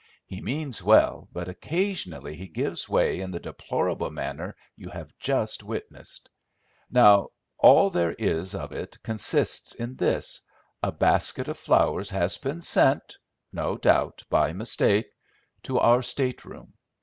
He means well, but occasionally he gives way in the deplorable manner you have just witnessed. Now all there is of it consists in this—a basket of flowers has been sent (no doubt by mistake) to our state room.